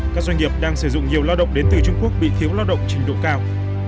các doanh nghiệp đang sử dụng nhiều lao động đến từ trung quốc bị thiếu lao động trình độ cao